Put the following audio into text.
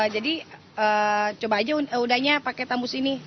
jadi coba aja udahnya pakai tambus ini